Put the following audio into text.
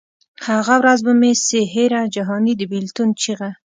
هغه ورځ به مي سي هېره جهاني د بېلتون چیغه